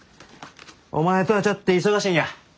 お前とはちゃって忙しいんや。